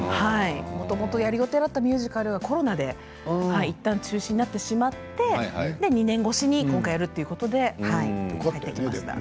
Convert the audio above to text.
もともとやる予定だったミュージカルがコロナでいったん中止になってしまって２年越しに今回やるということで帰ってきました。